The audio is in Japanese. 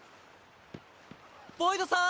ボイドさん！